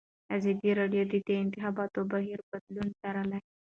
ازادي راډیو د د انتخاباتو بهیر بدلونونه څارلي.